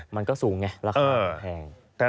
มันก็สูงไงราคามันแพง